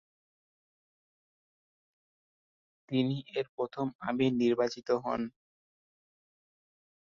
তিনি এর প্রথম আমীর নির্বাচিত হন।